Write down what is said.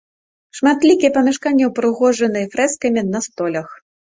Шматлікія памяшканні ўпрыгожаны фрэскамі на столях.